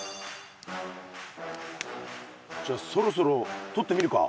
じゃそろそろとってみるか。